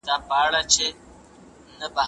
ایا بهرنیان زموږ په کانونو کي پانګونه کولای سي؟